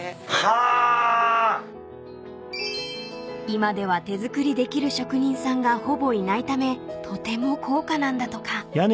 ［今では手作りできる職人さんがほぼいないためとても高価なんだとか］